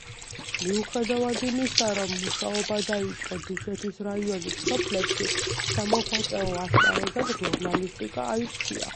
მიუხედავად იმისა, რომ მუშაობა დაიწყო დუშეთის რაიონის სოფლებში, სამოღვაწეო ასპარეზად ჟურნალისტიკა აირჩია.